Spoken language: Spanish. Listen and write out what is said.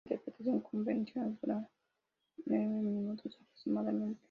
Una interpretación convencional dura nueve minutos aproximadamente.